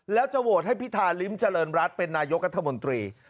แล้วจะโหวตให้พิธาริมเจริญรัฐเป็นนายกรัฐมนตรี